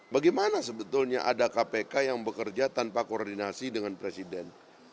bagaimana sebetulnya ada kpk yang bekerja tanpa koordinasi dengan presiden